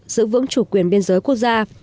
giữ vững chủ quyền biên giới quốc gia